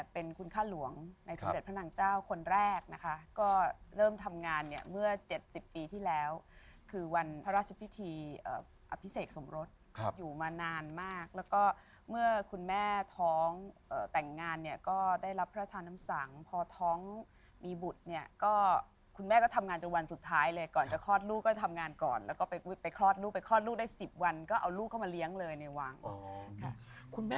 เป็นคุณค่าหลวงในสมเด็จพระนางเจ้าคนแรกนะคะก็เริ่มทำงานเนี่ยเมื่อ๗๐ปีที่แล้วคือวันพระราชพิธีอภิเษกสมรสอยู่มานานมากแล้วก็เมื่อคุณแม่ท้องแต่งงานเนี่ยก็ได้รับพระทานน้ำสังพอท้องมีบุตรเนี่ยก็คุณแม่ก็ทำงานจนวันสุดท้ายเลยก่อนจะคลอดลูกก็ทำงานก่อนแล้วก็ไปคลอดลูกไปคลอดลูกได้๑๐วันก็เอาลูกเข้ามาเลี้ยงเลยในวังออกค่ะคุณแม่